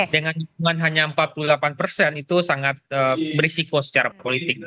dengan hitungan hanya empat puluh delapan persen itu sangat berisiko secara politik